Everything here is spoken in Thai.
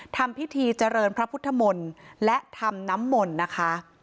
ทำพิธีเจริญพระพุทธมนตร์และทำน้ำมนต์นะคะ